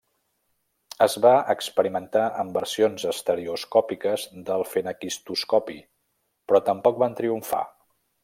Es va experimentar amb versions estereoscòpiques del fenaquistoscopi, però tampoc van triomfar.